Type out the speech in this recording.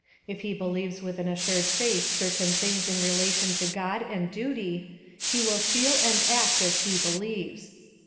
If he believes with an assured faith certain things in relation to God and duty, he will feel and act as he believes.